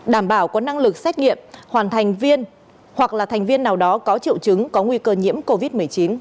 đảm bảo có năng lực xét nghiệm hoàn thành viên hoặc là thành viên nào đó có triệu chứng có nguy cơ nhiễm covid một mươi chín